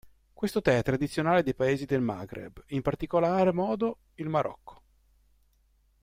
Questo tè è tradizionale dei paesi del Maghreb, in particolar modo il Marocco.